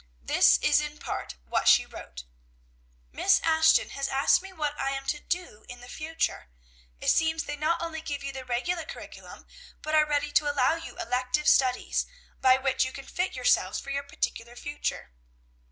This is in part what she wrote: "Miss Ashton has asked me what I am to do in the future. It seems they not only give you the regular curriculum, but are ready to allow you elective studies, by which you can fit yourself for your particular future.